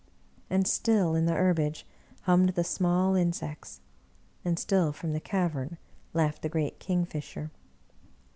And still, in the herbage, hummed the small insects, and still, from the cavern, laughed the great kingfisher.